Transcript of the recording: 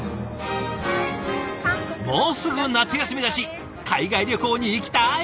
もうすぐ夏休みだし海外旅行に行きたい！